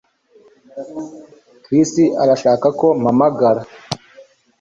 Chris arashaka ko mpamagara